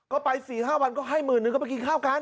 ก็ไป๔๕วันก็ให้หมื่นนึงก็ไปกินข้าวกัน